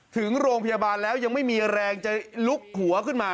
ถึงโรงพยาบาลแล้วยังไม่มีแรงจะลุกหัวขึ้นมา